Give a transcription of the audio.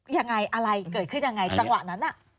อย่างไรอะไรเกิดขึ้นอย่างไรจังหวะนั้น